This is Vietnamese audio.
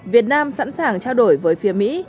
việt nam sẵn sàng trao đổi với phía mỹ